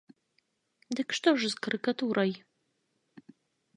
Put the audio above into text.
Дык што ж з карыкатурай?